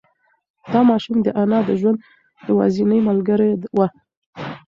دا ماشوم د انا د ژوند یوازینۍ ملګری و.